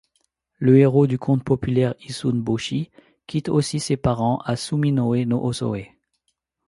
Le héros du conte populaire Issun-bōshi quitte aussi ses parents à Suminoe no Hosoe.